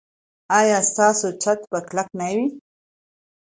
ایا ستاسو چت به کلک نه وي؟